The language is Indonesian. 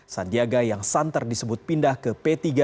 sandiaga yang santer disebut pindah ke p tiga